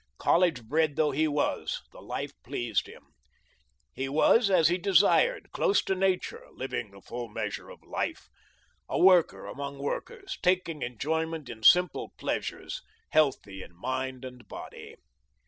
College bred though he was, the life pleased him. He was, as he desired, close to nature, living the full measure of life, a worker among workers, taking enjoyment in simple pleasures, healthy in mind and body.